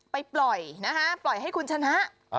ไปปล่อยนะคะปล่อยให้คุณชนะ